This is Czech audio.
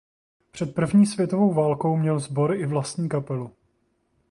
Před první světovou válkou měl Sbor i vlastní kapelu.